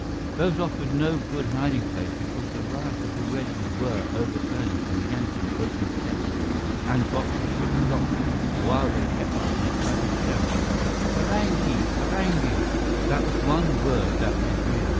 Those offered no good hiding place, because the rioters already were overturning or yanking open chests and boxes which blocked them, while they kept up an excited shout, "Farangi! Farangi!" That was one word that Biff knew.